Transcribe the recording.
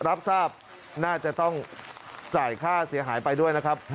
รับทราบน่าจะต้องจ่ายค่าเสียหายไปด้วยนะครับ